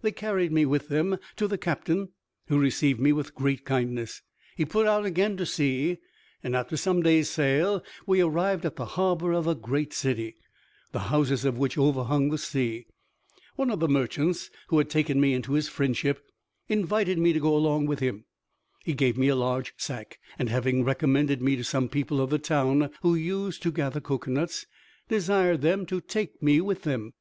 They carried me with them to the captain, who received me with great kindness. He put out again to sea, and, after some days' sail, we arrived at the harbor of a great city, the houses of which overhung the sea. One of the merchants who had taken me into his friendship invited me to go along with him. He gave me a large sack, and having recommended me to some people of the town, who used to gather cocoanuts, desired them to take me with them.